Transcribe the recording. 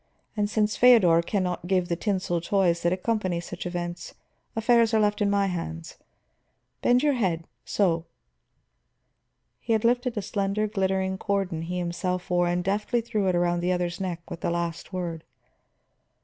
And since Feodor can not give the tinsel toys that accompany such events, affairs are left in my hands. Bend your head so." He had lifted a slender, glittering cordon he himself wore, and deftly threw it around the other's neck with the last word.